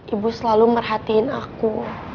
ibu selalu merhatiin aku